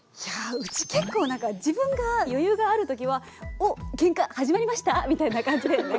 やうち結構なんか自分が余裕がある時は「おケンカ始まりました？」みたいな感じで。